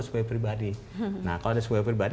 sebagai pribadi nah kalau ada sebagai pribadi